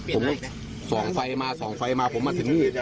ผมส่องไฟมาส่องไฟมาผมมาถึงนี่